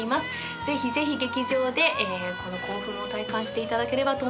ぜひぜひ劇場でこの興奮を体感していただければと思います。